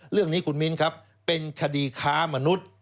เรื่องนี้คุณมิ้นครับเป็นคดีค้ามนุษย์